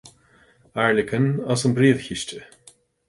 Airleacain as an bPríomh-Chiste.